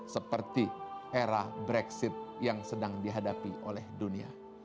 seperti era brexit yang sedang dihadapi oleh dunia